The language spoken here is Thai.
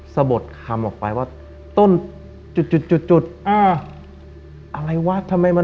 สะบดคำออกไปว่า